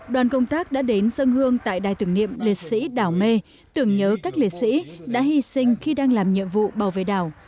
đoàn công tác đã đến dân hương tại đài tưởng niệm liệt sĩ đảo mê tưởng nhớ các liệt sĩ đã hy sinh khi đang làm nhiệm vụ bảo vệ đảo